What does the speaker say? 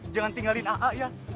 jangan tinggalkan a'a ya